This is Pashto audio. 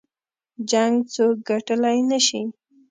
جـنګ څوك ګټلی نه شي